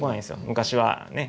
昔はね。